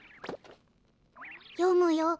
よむよ。